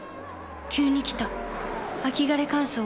急に来た秋枯れ乾燥。